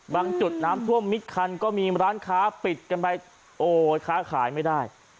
จุดน้ำท่วมมิดคันก็มีร้านค้าปิดกันไปโอ้ยค้าขายไม่ได้